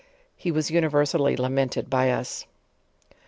He was universally lamented by us.